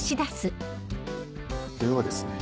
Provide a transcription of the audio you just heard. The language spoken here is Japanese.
ではですね